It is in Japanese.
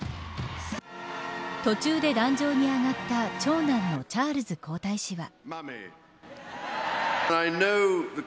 途中で壇上に上がった長男のチャールズ皇太子は。